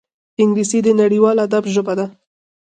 انګلیسي د نړیوال ادب ژبه ده